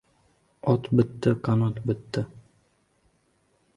Ot bitdi — qanot bitdi.